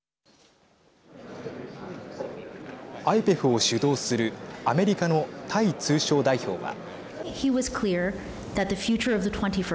ＩＰＥＦを主導するアメリカのタイ通商代表は。